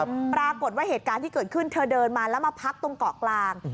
ปรากฏว่าเหตุการณ์ที่เกิดขึ้นเธอเดินมาแล้วมาพักตรงเกาะกลาง